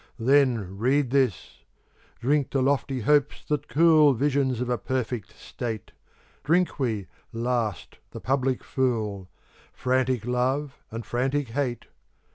Then read this: Drink to lofty hopes that cool Visions of a perfect state: Drink we, last, the public fool, Frantic love and frantic hate.